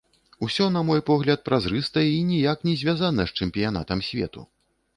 Усё, на мой погляд, празрыста і ніяк не звязана з чэмпіянатам свету.